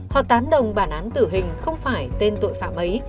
họ tán đồng bản án tử hình không phải tên tội phạm ấy